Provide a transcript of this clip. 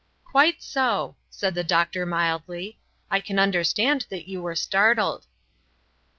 "Quite so!" said the doctor, mildly. "I can understand that you were startled."